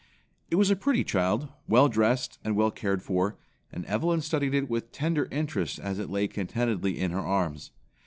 It was a pretty child, well dressed and well cared for, and Evelyn studied it with tender interest as it lay contentedly in her arms.